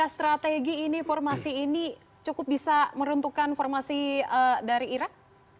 strategi ini formasi ini cukup bisa meruntuhkan formasi dari irak